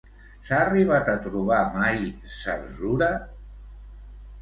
S'ha arribat a trobar mai Zerzura?